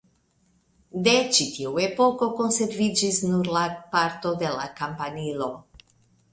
De ĉi tiu epoko konserviĝis nur parto de la kampanilo.